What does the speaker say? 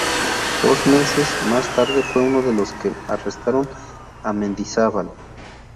Dos meses más tarde fue uno de los que arrestaron a Mendizábal.